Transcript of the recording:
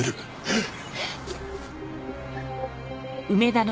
えっ！？